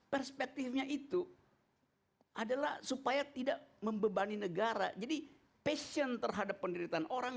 perspektifnya itu adalah supaya tidak membebani negara jadi passion terhadap penderitaan orang